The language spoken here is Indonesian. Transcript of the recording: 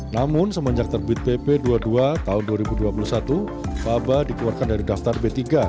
namun semenjak terbit pp dua puluh dua tahun dua ribu dua puluh satu baba dikeluarkan dari daftar b tiga